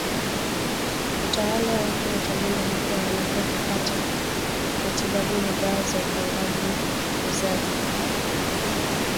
utawala wake utalinda haki ya wanawake kupata matibabu na dawa za upangaji uzazi